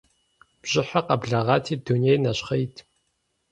Бжьыхьэр къэблэгъати, дунейр нэщхъейт.